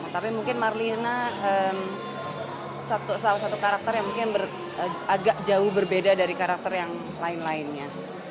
tapi mungkin marlina salah satu karakter yang mungkin agak jauh berbeda dari karakter yang lain lainnya